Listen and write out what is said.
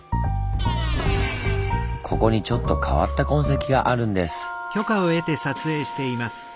ここにちょっと変わった痕跡があるんです。